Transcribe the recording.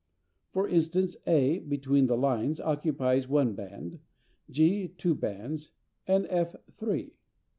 For instance, a, between the lines, occupies one band; g, two bands; and f, three.